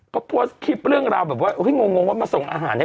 เขาโพสต์คลิปเรื่องราวแบบว่าเฮ้ยงงว่ามาส่งอาหารให้